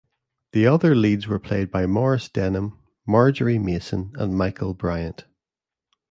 The other leads were played by Maurice Denham, Margery Mason and Michael Bryant.